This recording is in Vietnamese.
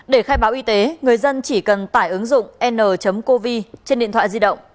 để khai báo y tế người dân chỉ cần tải ứng dụng n covid trên điện thoại di động